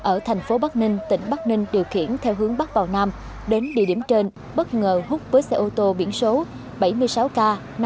ở tp bắc ninh tỉnh bắc ninh điều khiển theo hướng bắc vào nam đến địa điểm trên bất ngờ hút với xe ô tô biển số bảy mươi sáu k năm nghìn tám trăm ba mươi một